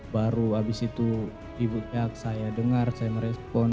baru habis itu di butiak saya dengar saya merespon